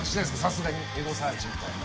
さすがにエゴサーチみたいな。